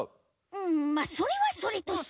うんまあそれはそれとして。